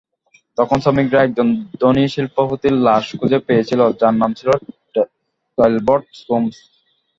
তখন শ্রমিকরা একজন ধনী শিল্পপতির লাশ খুঁজে পেয়েছিল, যার নাম ছিল ট্যালবট সোমস।